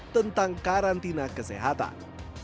tentang karantina kesehatan